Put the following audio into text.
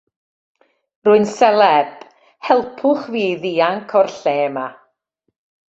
Rwy'n Seleb ... Helpwch Fi i Ddianc o'r Lle Yma!